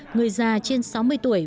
người già trên sáu mươi tuổi